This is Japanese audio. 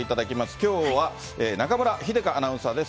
きょうは中村秀香アナウンサーです。